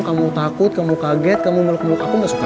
kamu takut kamu kaget kamu muluk muluk aku gak suka